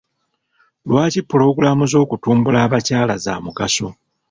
Lwaki puloogulaamu z'okutumbula abakyala za mugaso?